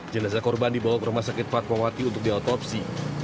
jenazah korban dibawa ke rumah sakit fatmawati untuk diotopsi